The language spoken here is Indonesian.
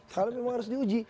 kalau memang harus diuji